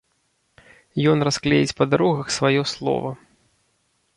Ён расклеіць па дарогах сваё слова.